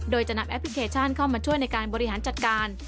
โดยจะนำแอปพลิเคชันเข้ามาช่วยในการบริหารจัดการ